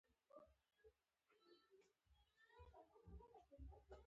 حیوانات ځینې وختونه خپل غږ د خبرو لپاره استعمالوي.